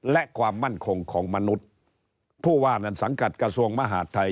และความมั่นคงของมนุษย์ผู้ว่านั้นสังกัดกระทรวงมหาดไทย